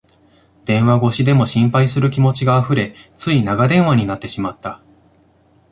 電話越しでも心配する気持ちがあふれ、つい長電話になってしまった